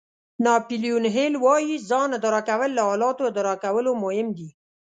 ناپیلیون هېل وایي ځان اداره کول له حالاتو اداره کولو مهم دي.